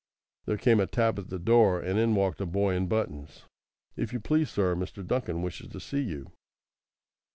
There came a tap at the door, and in walked a boy in buttons. "If you please, sir, Mr. Duncan wishes to see you."